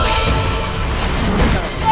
tidak mau paham